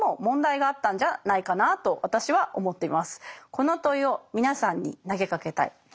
この問いを皆さんに投げかけたい。